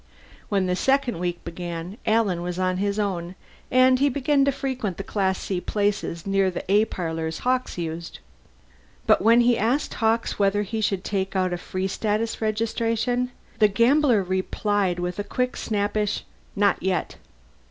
When the second week began, Alan was on his own, and he began to frequent Class C places near the A parlors Hawkes used. But when he asked Hawkes whether he should take out a Free Status registration, the gambler replied with a quick, snappish, "Not yet."